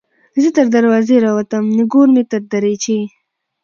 ـ زه تر دروازې راوتم نګور مې تر دريچې